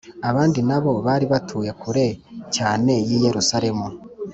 Abandi na bo bari batuye kure cyane y i Yerusalemu